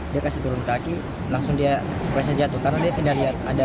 dia kasih turun kaki langsung dia berasa jatuh